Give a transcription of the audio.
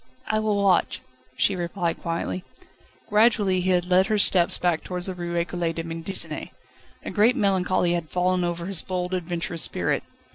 "I will watch," she replied quietly. Gradually he had led her steps back towards the Rue Ecole de Médecine. A great melancholy had fallen over his bold, adventurous spirit.